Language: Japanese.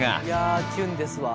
いやキュンですわ。